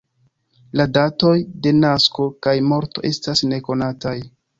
La datoj de nasko kaj morto estas nekonataj.